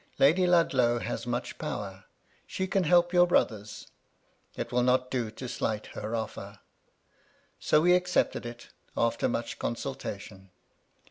^^ Lady Ludlow has much power. She can help your brothers. It will not do to slight her ofier." LADY LUDLOW. 19 So we accepted it, after much consultation.